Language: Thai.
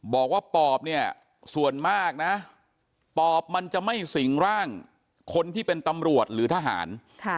บอกว่าปอบเนี่ยส่วนมากนะปอบมันจะไม่สิงร่างคนที่เป็นตำรวจหรือทหาร